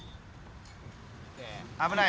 危ない。